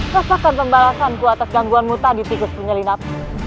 rasakan pembalasanku atas gangguan muta di tikus punya linap